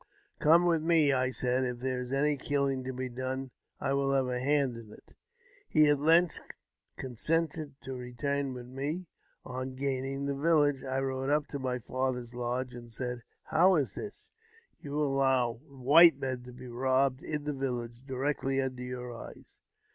" Come with me," I said. " If there is any killing to be done, I will have a hand in it." He at length consented to return with me. On gaining the village, I rode up to my father's lodge, and said, "How is this? You allow white men to be robbed in the village, directly under your eyes